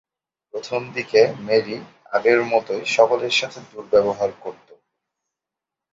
প্রথমদিকে মেরি আগের মতোই সকলের সাথে দুর্ব্যবহার করতো।